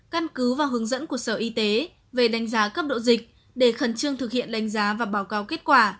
căn cứ và hướng dẫn của sở y tế về đánh giá cấp độ dịch để khẩn trương thực hiện đánh giá và báo cáo kết quả